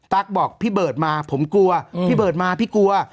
บอกพี่เบิร์ดมาผมกลัวพี่เบิร์ดมาพี่กลัว